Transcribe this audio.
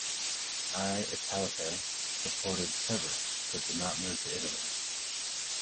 I "Italica" supported Severus, but did not move to Italy.